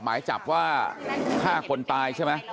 หมายจับว่าฆ่าคนตายใช่ไหม